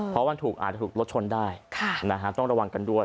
เพราะวันถูกอ่าจะถูกรถชนได้ค่ะนะฮะต้องระวังกันด้วย